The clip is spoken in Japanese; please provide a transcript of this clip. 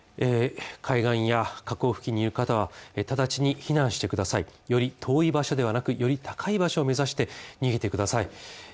海岸や河口付近にいる方は直ちに避難してくださいより遠い場所ではなくより高い場所を目指して逃げてください。